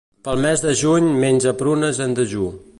Pel mes de juny menja prunes en dejú.